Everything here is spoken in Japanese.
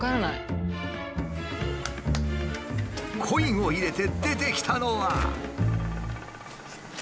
コインを入れて出てきたのは。